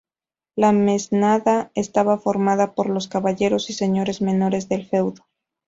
La mesnada estaba formada por los caballeros y señores menores del feudo.